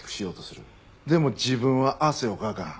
でも自分は汗をかかん。